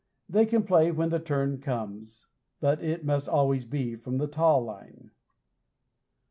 They can play when the turn comes, but it must always be from the taw line.